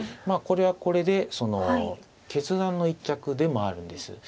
これはこれで決断の一着でもあるんです。